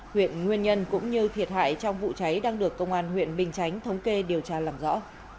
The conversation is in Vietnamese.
huyện nguyên nhân cũng như thiệt hại trong vụ cháy đang được công an huyện bình chánh thống kê điều tra làm rõ